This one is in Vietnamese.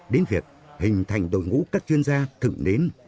đến việc hình thành đội ngũ các chuyên gia thử nến